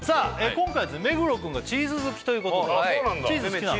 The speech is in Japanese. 今回はですね目黒くんがチーズ好きということでチーズ好きなの？